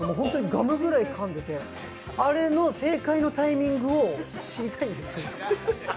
ガムぐらいかんでてあれの正解のタイミングを知りたいんです。